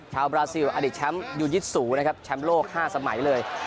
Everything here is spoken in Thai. บราซิลอดีตแชมป์ยูยิตสูนะครับแชมป์โลก๕สมัยเลย